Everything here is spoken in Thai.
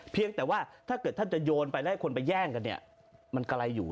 เพียงแต่ว่าถ้าเกิดท่านจะโยนไปแล้วให้คนไปแย่งกันเนี่ยมันไกลอยู่